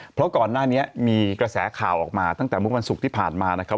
เพราะก่อนหน้านี้มีกระแสข่าวออกมาตั้งแต่เมื่อวันศุกร์ที่ผ่านมานะครับ